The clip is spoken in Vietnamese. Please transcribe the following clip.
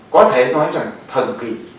có thể nói rằng thần kỳ